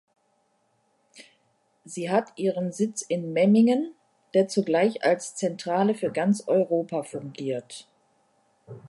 Sie hat ihren Sitz in Memmingen, der zugleich als Zentrale für ganz Europa fungiert.